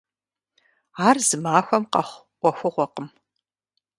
Ар зы махуэм къэхъу Ӏуэхугъуэкъым.